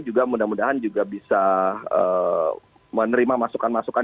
juga mudah mudahan juga bisa menerima masukan masukan